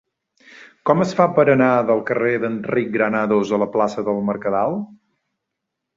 Com es fa per anar del carrer d'Enric Granados a la plaça del Mercadal?